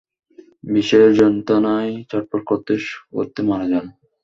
বিষের যন্ত্রণায় ছটফট করতে করতে মরে যান।